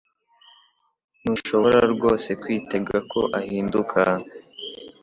Ntushobora rwose kwitega ko ahinduka